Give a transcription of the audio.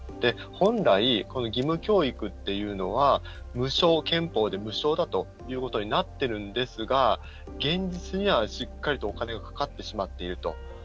本来、義務教育っていうのは憲法で無償だというふうになっているんですが、現実にはしっかりとお金がかかってしまっていると。